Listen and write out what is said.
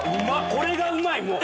これがうまいもう。